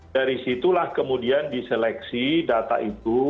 dari situlah kemudian diseleksi data itu